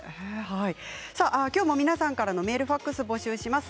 きょうも皆さんからのメールファックスを募集します。